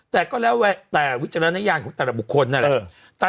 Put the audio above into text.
แต่วิจารณญาณของแต่ละบุคคลนั่นแหละ